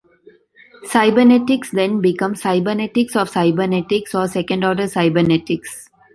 Cybernetics then becomes cybernetics of cybernetics, or "second-order cybernetics".